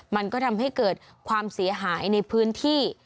มันก็ทำให้เกิดความเสียหายในพื้นที่